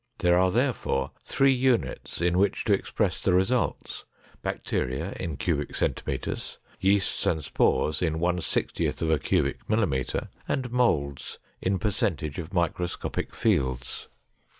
There are, therefore, three units in which to express the results: bacteria in cubic centimeters, yeasts and spores in one sixtieth of a cubic millimeter, and molds in percentage of microscopic fields.